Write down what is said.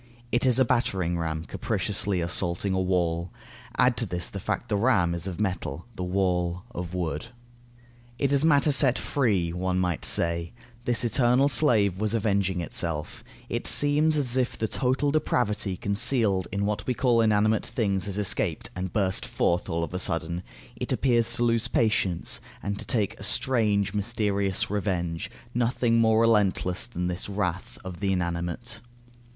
It is a battering ram capriciously assaulting a wall. Add to this the fact that the ram is of metal, the wall of wood. It is matter set free; one might say, this eternal slave was avenging itself; it seems as if the total depravity concealed in what we call inanimate things has escaped, and burst forth all of a sudden; it appears to lose patience, and to take a strange mysterious revenge; nothing more relentless than this wrath of the inanimate.